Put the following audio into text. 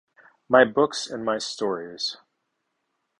My books and my stories.